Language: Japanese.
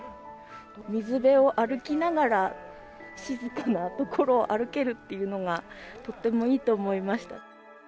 水辺を歩きながら、静かな所を歩けるというのが、とてもいいと思いました。